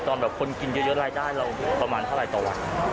แบบคนกินเยอะรายได้เราประมาณเท่าไหร่ต่อวัน